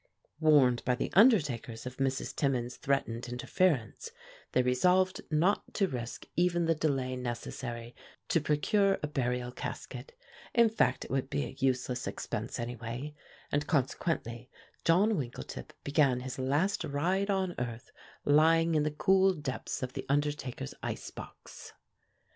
Warned by the undertakers of Mrs. Timmins' threatened interference, they resolved not to risk even the delay necessary to procure a burial casket; in fact it would be a useless expense, anyway, and consequently John Winkletip began his last ride on earth lying in the cool depths of the undertaker's ice box.